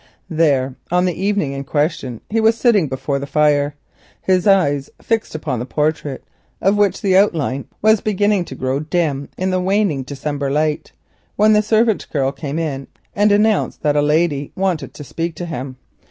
There, on the afternoon in question, he sat before the fire, his eyes fixed upon the portrait, of which the outline was beginning to grow dim in the waning December light, when the servant girl came in and announced that a lady wished to speak to him.